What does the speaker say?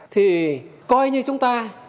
thì coi như chúng ta